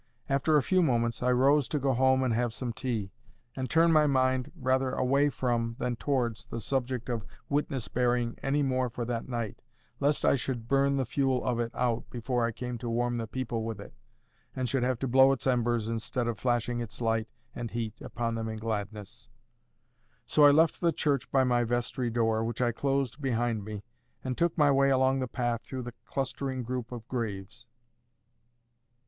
After a few moments, I rose to go home and have some tea, and turn my mind rather away from than towards the subject of witness bearing any more for that night, lest I should burn the fuel of it out before I came to warm the people with it, and should have to blow its embers instead of flashing its light and heat upon them in gladness. So I left the church by my vestry door, which I closed behind me, and took my way along the path through the clustering group of graves.